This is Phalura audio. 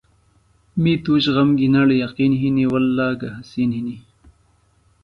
می تُوش غم گِھنڑ یقین ہِنیۡ وﷲگہ حسِین ہِنیۡ۔